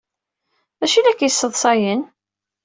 D acu ay la k-yesseḍsayen?